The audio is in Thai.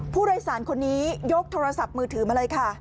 ผู้โดยสารคนนี้ยกโทรศัพท์มือถือมาเลยค่ะ